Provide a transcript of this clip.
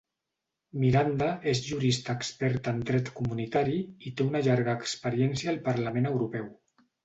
Miranda és jurista experta en dret comunitari i té una llarga experiència al Parlament Europeu.